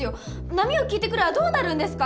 『波よ聞いてくれ』はどうなるんですか？